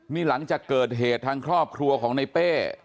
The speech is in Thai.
นี่หลังจากเกิดเหตุทางครอบครัวของในเป้